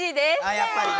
やっぱりな。